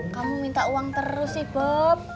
kamu minta uang terus sih bob